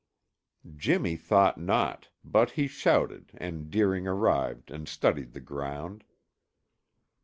Jimmy thought not, but he shouted and Deering arrived and studied the ground.